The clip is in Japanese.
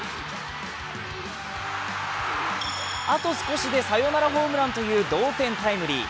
あと少しでサヨナラホームランという同点タイムリー。